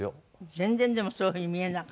全然でもそういうふうに見えなかった。